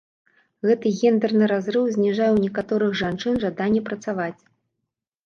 Гэты гендэрны разрыў зніжае ў некаторых жанчын жаданне працаваць.